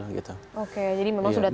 oke jadi memang sudah tidak ada komunikasi